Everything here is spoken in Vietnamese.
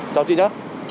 chào chị nhé